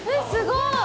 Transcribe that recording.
すごい。